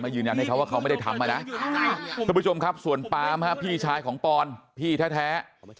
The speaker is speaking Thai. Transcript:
ยืนยันให้เขาว่าเขาไม่ได้ทำมานะทุกผู้ชมครับส่วนปามฮะพี่ชายของปอนพี่แท้